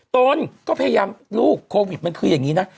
ตนก็พยายามลูกโควิดมันคืออย่างนี้นะ